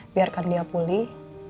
biarkan dia pulih